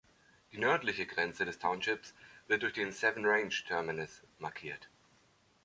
Die nördliche Grenze des Townships wird durch den Seven Ranges Terminus markiert.